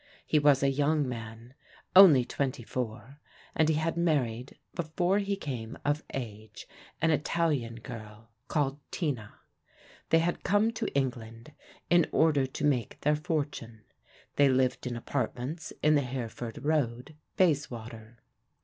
He was a young man, only twenty four, and he had married, before he came of age, an Italian girl called Tina. They had come to England in order to make their fortune. They lived in apartments in the Hereford Road, Bayswater.